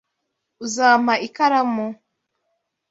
Uzampa ikaramu? (shitingi)